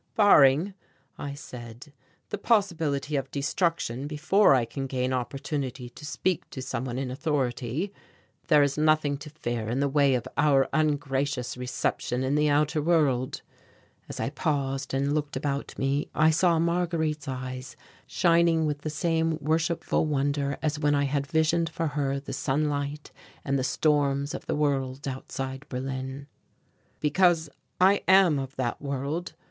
"Barring," I said, "the possibility of destruction before I can gain opportunity to speak to some one in authority, there is nothing to fear in the way of our ungracious reception in the outer world " As I paused and looked about me I saw Marguerite's eyes shining with the same worshipful wonder as when I had visioned for her the sunlight and the storms of the world outside Berlin "because I am of that world.